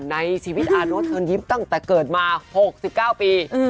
ในชีวิตอาโน๊ตเชิญยิ้มตั้งแต่เกิดมา๖๙ปี